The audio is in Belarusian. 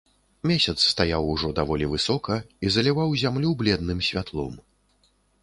Месяц стаяў ужо даволі высока і заліваў зямлю бледным святлом.